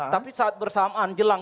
tapi saat bersamaan jelang